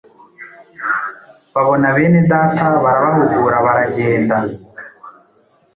babona bene Data, barabahugura, baragenda